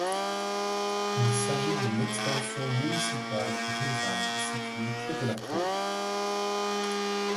Il s'agit d'une extension municipale rurale située près de la côte.